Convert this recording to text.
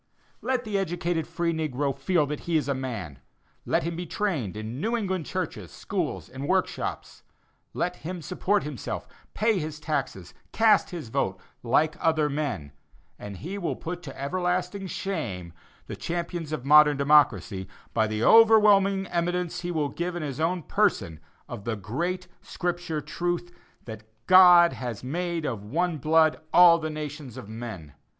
Let the educated free negro feel that he is a man; let him be trained in New England churches, schools and workshops; let him support himself, pay his taxes, and cast his vote, like other men, and he will put to everlasting shame the champions of modern democracy, by the overwhelming evidence he will give in his own person of the great Scripture truth, that "God has made of one blood all the nations of men."